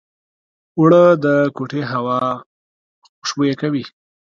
اوړه د کوټې هوا خوشبویه کوي